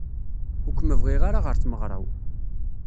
Ur kem-bɣiɣ ara ɣer tmeɣra-w.